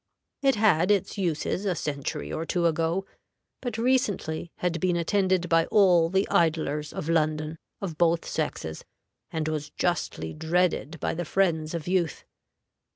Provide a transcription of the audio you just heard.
It had its uses a century or two ago, but recently had been attended by all the idlers of London, of both sexes, and was justly dreaded by the friends of youth.